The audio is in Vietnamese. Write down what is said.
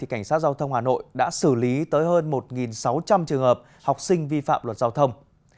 cảnh sát giao thông hà nội đã xử lý tới hơn một sáu trăm linh trường hợp học sinh vi phạm luật giao thông